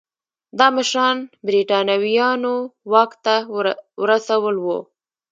دا مشران برېټانویانو واک ته ورسول وو.